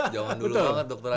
jaman dulu banget dokternya